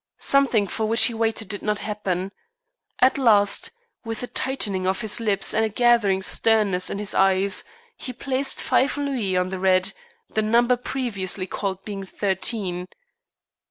Something for which he waited did not happen. At last, with a tightening of his lips and a gathering sternness in his eyes, he placed five louis on the red, the number previously called being thirteen.